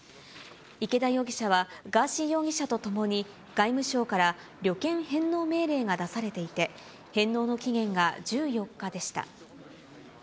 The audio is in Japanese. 池田容疑者はガーシー容疑者とともに、外務省から旅券返納命令が出されていて、返納の期限が１４日でした。